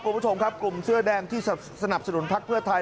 คุณผู้ชมครับกลุ่มเสื้อแดงที่สนับสนุนพักเพื่อไทย